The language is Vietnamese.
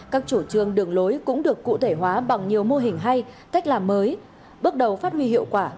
các chủ trương đường lối cũng được cụ thể hóa bằng nhiều mô hình hay cách làm mới bước đầu phát huy hiệu quả